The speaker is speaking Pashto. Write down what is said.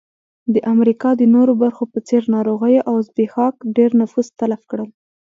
د امریکا د نورو برخو په څېر ناروغیو او زبېښاک ډېر نفوس تلف کړ.